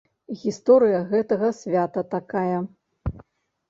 Гісторыя гэтага свята такая.